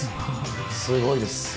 すごいです。